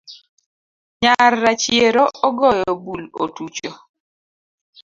Nyar rachiero ogoyo bul otucho